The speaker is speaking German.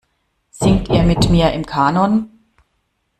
Singt ihr mit mir im Kanon?